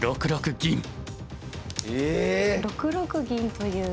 ６六銀という。